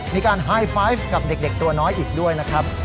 มีการไฮไฟล์กับเด็กตัวน้อยอีกด้วยนะครับ